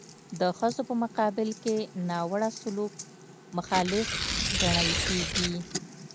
د ښځو په مقابل کې ناوړه سلوک مخالف ګڼل کیږي.